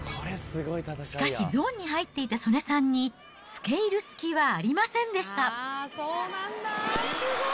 しかしゾーンに入っていた素根さんに、つけいる隙はありませんでした。